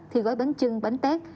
thi gói bánh chưng bánh tét